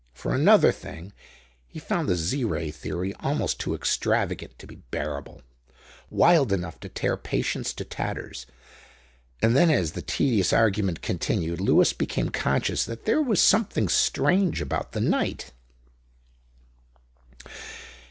For another thing, he found the Z Ray theory almost too extravagant to be bearable, wild enough to tear patience to tatters. And then as the tedious argument continued Lewis became conscious that there was something strange about the night.